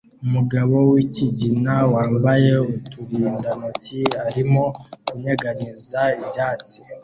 Umugabo wikigina wambaye uturindantoki arimo kunyeganyeza ibyatsi